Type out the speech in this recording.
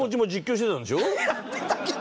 やってたけど。